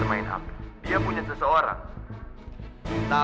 jadi gimana aja